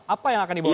apa yang akan dibawa